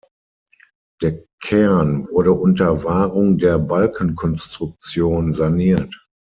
Der Kern wurde unter Wahrung der Balkenkonstruktion saniert.